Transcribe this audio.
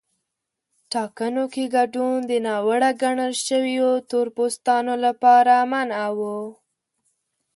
ټاکنو کې ګډون د ناوړه ګڼل شویو تور پوستانو لپاره منع و.